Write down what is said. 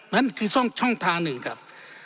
นั่นคือช่องทางหนึ่งครับ